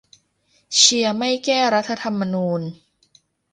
เชียร์ไม่แก้รัฐธรรมนูญ